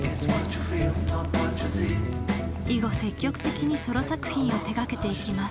以後積極的にソロ作品を手がけていきます。